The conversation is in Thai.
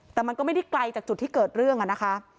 แต่มันก็ไม่ได้ไกลจากจุดที่เกิดเรื่องอะนะคะ